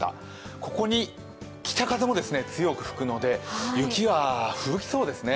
ここに北風も強く吹くのでふぶきそうですね。